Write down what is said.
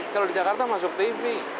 kalau di jakarta masuk tv